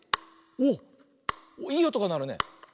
おっいいおとがなるね。